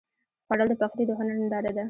خوړل د پخلي د هنر ننداره ده